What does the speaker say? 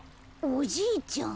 おじいちゃん。